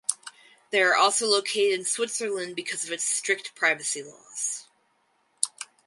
They are also located in Switzerland because of its strict privacy laws.